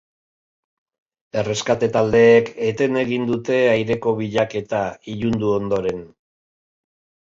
Erreskate taldeek eten egin dute aireko bilaketa, ilundu ondoren.